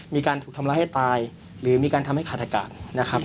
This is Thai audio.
มีการถูกทำร้ายให้ตายหรือมีการทำให้ขาดอากาศนะครับ